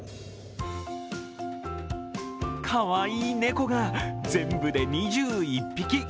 かわいい猫が全部で２１匹。